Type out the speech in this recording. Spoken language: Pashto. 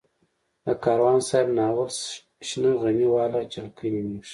د کاروان صاحب ناول شنه غمي واله جلکۍ نومېږي.